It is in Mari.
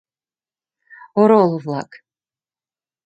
Орол-влак!